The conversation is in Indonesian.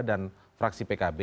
dan fraksi pkb